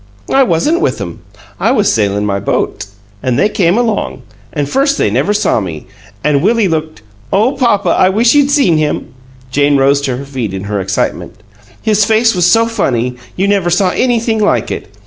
"I wasn't with 'em. I was sailin' my boat, an' they came along, an' first they never saw me, an' Willie looked oh, papa, I wish you'd seen him!" Jane rose to her feet in her excitement. "His face was so funny, you never saw anything like it!